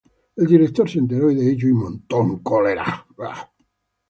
El director se enteró de ello y montó en cólera.